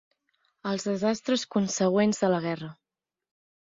Els desastres consegüents a la guerra.